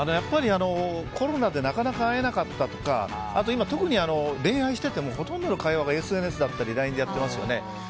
コロナで、なかなか会えなかったとか特に今恋愛してても、ほとんどの会話がＳＮＳであったりＬＩＮＥでしてますよね。